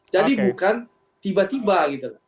jadi bukan tiba tiba gitu